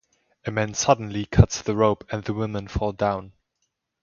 A man suddenly cuts the rope and the women fall down.